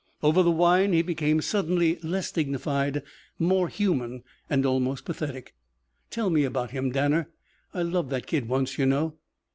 Over the wine he became suddenly less dignified, more human, and almost pathetic. "Tell me about him, Danner. I loved that kid once, you know."